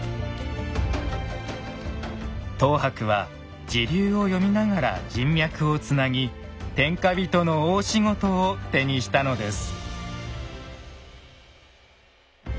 等伯は時流を読みながら人脈をつなぎ天下人の大仕事を手にしたのです。